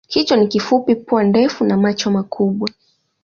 Kichwa ni kifupi, pua ndefu na macho makubwa.